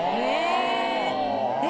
え！